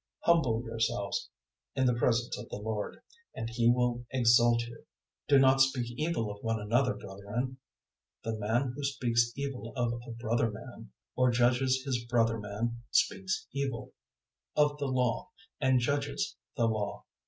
004:010 Humble yourselves in the presence of the Lord, and He will exalt you. 004:011 Do not speak evil of one another, brethren. The man who speaks evil of a brother man or judges his brother man speaks evil of the Law and judges the Law.